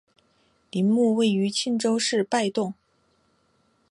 陵墓位于庆州市拜洞。